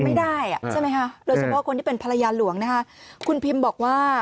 ไม่ได้ใช่ไหมคะคนที่เป็นภรรยาหลวงนะคะคุณพิมพ์บอกว่า